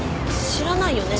知らないよね。